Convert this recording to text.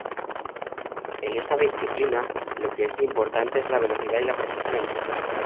En esta disciplina lo que es importante es la velocidad y la precisión.